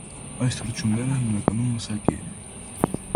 Այս թռչունները հիմնականում մսակեր են։